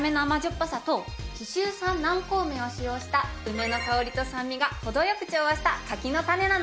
ぱさと紀州産南高梅を使用した梅の香りと酸味が程良く調和した柿の種なの。